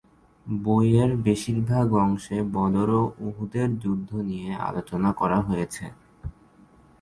বইয়ের বেশিরভাগ অংশে বদর ও উহুদের যুদ্ধ নিয়ে আলোচনা করা হয়েছে।